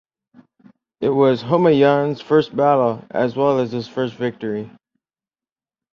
It was Humayun’s first battle as well as his first victory.